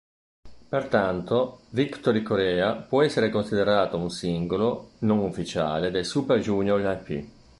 Pertanto "Victory Korea" può essere considerato un singolo non ufficiale dei Super Junior-Happy.